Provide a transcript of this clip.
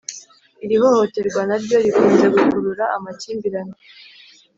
Iri hohoterwa na ryo rikunze gukurura amakimbirane